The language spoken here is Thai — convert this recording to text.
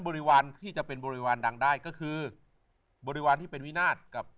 ริวารที่จะเป็นบริวารดังได้ก็คือบริวารที่เป็นวินาศกับ